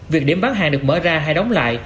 việc điểm bán hàng được mở ra hay đóng lại